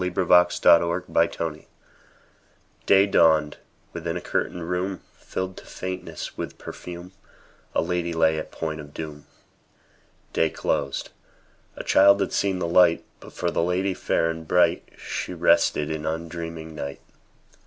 Y Z History of a Life DAY dawned: within a curtained room, Filled to faintness with perfume, A lady lay at point of doom. Day closed; a child had seen the light; But, for the lady fair and bright, She rested in undreaming night.